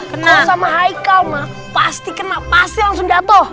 kalo sama haikal mah pasti kena pasti langsung jatoh